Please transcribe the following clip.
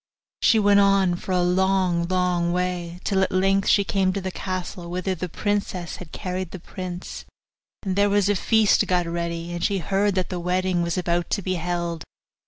She went on for a long, long way, till at length she came to the castle whither the princess had carried the prince; and there was a feast got ready, and she heard that the wedding was about to be held.